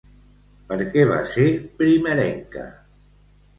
Per què va ser primerenca?